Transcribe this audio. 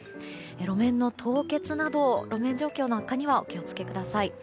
路面の凍結など路面状況の悪化にはお気をつけください。